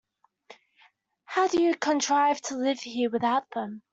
How do you contrive to live here without them?